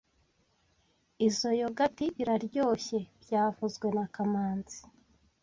Izoi yogurt iraryoshye byavuzwe na kamanzi